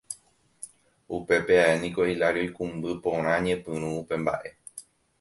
Upépe ae niko Hilario oikũmby porã ñepyrũ upe mbaʼe.